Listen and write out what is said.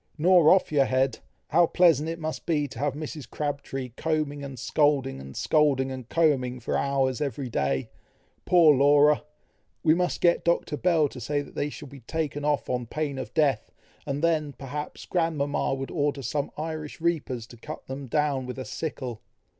"Nor off your head! How pleasant it must be to have Mrs. Crabtree combing and scolding, and scolding and combing, for hours every day! Poor Laura! we must get Dr. Bell to say that they shall be taken off on pain of death, and then, perhaps, grandmama would order some Irish reapers to cut them down with a sickle."